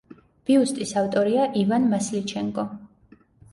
ბიუსტის ავტორია ივან მასლიჩენკო.